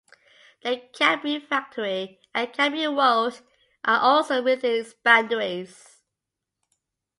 The Cadbury factory and Cadbury World are also within its boundaries.